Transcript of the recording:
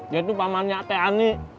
dia tuh pamannya ate ani